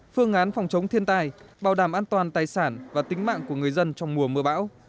phương án phòng chống thiên tai bảo đảm an toàn tài sản và tính mạng của người dân trong mùa mưa bão